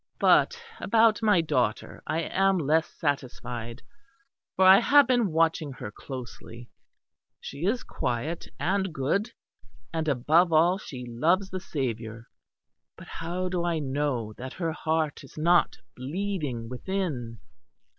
But about my daughter I am less satisfied, for I have been watching her closely. She is quiet and good, and, above all, she loves the Saviour; but how do I know that her heart is not bleeding within?